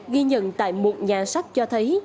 ghi nhận tại một nhà sách cho thấy